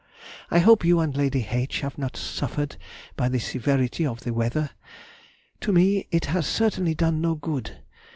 I hope you and Lady H. have not suffered by the severity of the weather; to me it has certainly done no good.